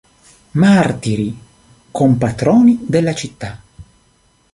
Martiri", compatroni della città.